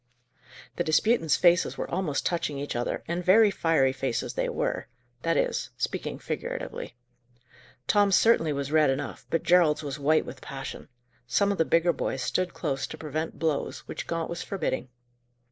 The disputants' faces were almost touching each other, and very fiery faces they were that is, speaking figuratively. Tom's certainly was red enough, but Gerald's was white with passion. Some of the bigger boys stood close to prevent blows, which Gaunt was forbidding.